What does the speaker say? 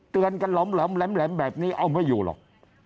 เตือนกันหล่อมแหลมแบบนี้เอาไม่อยู่หรอก